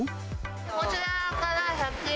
こちらから１００円